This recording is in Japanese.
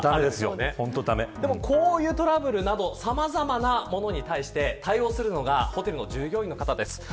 こういうトラブルなどさまざまなものに対して対応するのがホテルの従業員の方です。